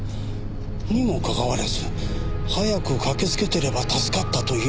にもかかわらず早く駆けつけてれば助かったと言えるのは。